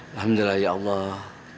alhamdulillah ya allah